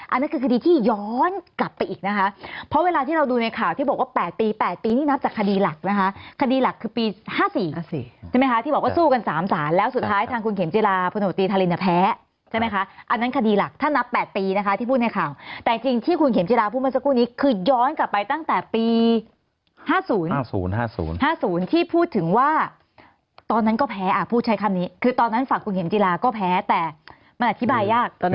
อันนั้นคือคดีที่ย้อนกลับไปอีกนะคะเพราะเวลาที่เราดูในข่าวที่บอกว่า๘ปี๘ปีนี่นับจากคดีหลักนะคะคดีหลักคือปี๕๔ใช่ไหมคะที่บอกว่าสู้กันสามสารแล้วสุดท้ายทางคุณเข็มจีลาพนธุ์ตีนทารินจะแพ้ใช่ไหมคะอันนั้นคดีหลักถ้านับ๘ปีนะคะที่พูดในข่าวแต่จริงที่คุณเข็มจีลาพูดมาสักครู่นี้คือย้อน